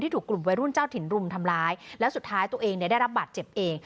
ถูกกลุ่มวัยรุ่นเจ้าถิ่นรุมทำร้ายแล้วสุดท้ายตัวเองเนี่ยได้รับบาดเจ็บเอง